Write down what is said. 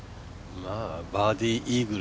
バーディーイーグル